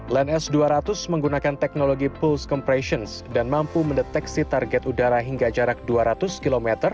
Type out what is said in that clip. line s dua ratus menggunakan teknologi pools compressions dan mampu mendeteksi target udara hingga jarak dua ratus km